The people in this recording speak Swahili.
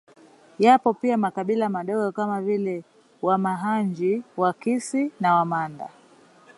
Yapo pia makabila madogo kama vile Wamahanji Wakisi na Wamanda